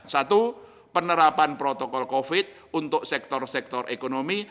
satu penerapan protokol covid untuk sektor sektor ekonomi